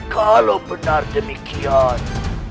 kalau benar demikian